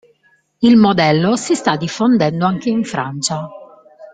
Il modello si sta diffondendo anche in Francia.